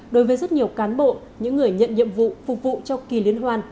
đối với rất nhiều cán bộ những người nhận nhiệm vụ phục vụ cho kỳ liên hoan